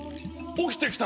起きてきた！